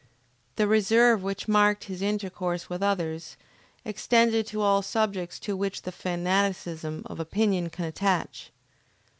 The reserve which marked his intercourse with others, extended to all subjects to which the fanaticism of opinion can attach.